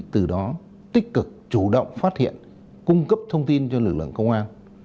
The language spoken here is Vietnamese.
từ đó tích cực chủ động phát hiện cung cấp thông tin cho lực lượng công an